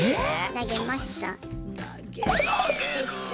投げました。